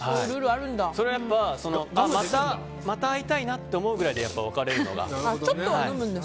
それは、やっぱりまた会いたいなって思うぐらいで別れるのが。